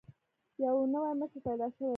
یو نوی مشر پیدا شوی وو.